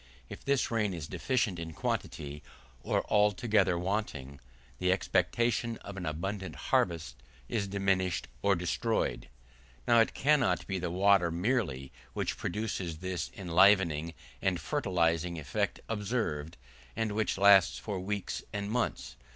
If this rain is deficient in quantity, or altogether wanting, the expectation of an abundant harvest is diminished or destroyed. Now it cannot be the water merely which produces this enlivening and fertilising effect observed, and which lasts for weeks and months.